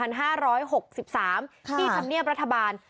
ที่ทำเนียบรัฐบาล